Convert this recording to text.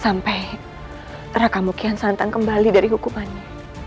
sampai raka kian santan kembali dari hukumannya